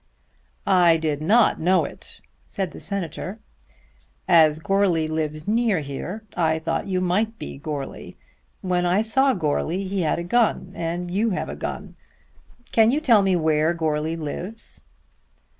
"I did not know it," said the Senator. "As Goarly lives near here I thought you might be Goarly. When I saw Goarly he had a gun, and you have a gun. Can you tell me where Goarly lives?"